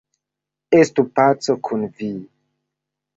Estu paco kun vi!